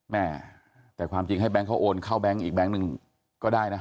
แม่แต่ความจริงให้แบงค์เขาโอนเข้าแบงค์อีกแก๊งหนึ่งก็ได้นะ